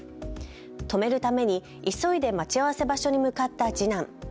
止めるために急いで待ち合わせ場所に向かった次男。